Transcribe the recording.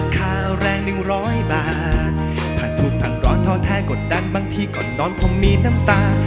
แค่กดดันบ้างที่ก่อนนอนพร้อมมีน้ำตา